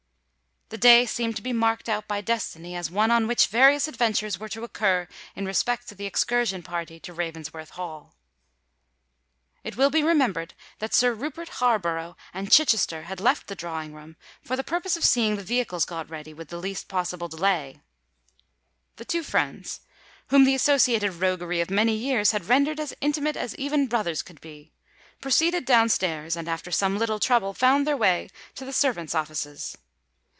The day seemed to be marked out by destiny as one on which various adventures were to occur in respect to the excursion party to Ravensworth Hall. It will be remembered that Sir Rupert Harborough and Chichester had left the drawing room for the purpose of seeing the vehicles got ready with the least possible delay. The two friends—whom the associated roguery of many years had rendered as intimate as even brothers could be—proceeded down stairs, and, after some little trouble, found their way to the servants' offices.